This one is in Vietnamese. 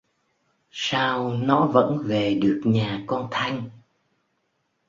Sao nó vẫn về được nhà con thanh